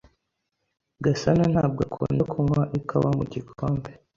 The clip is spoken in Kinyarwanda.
Gasanantabwo akunda kunywa ikawa mu gikombe.